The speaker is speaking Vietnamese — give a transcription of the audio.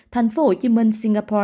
thành phố hồ chí minh singapore